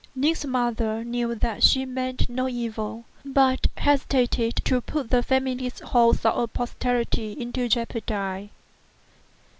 Ning's mother knew that she meant no evil, but hesitated to put the family hopes of a posterity into jeopardy.